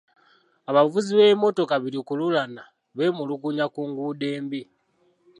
Abavuzi b'ebimotoka bilukululana beemulugunya ku nguudo embi.